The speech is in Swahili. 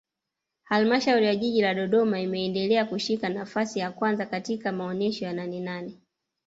Halmashauri ya Jiji la Dodoma imeendelea kushika nafasi ya kwanza katika maonesho ya Nanenane